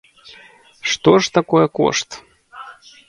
Што ж такое кошт?